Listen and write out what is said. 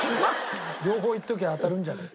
両方言っときゃ当たるんじゃないか。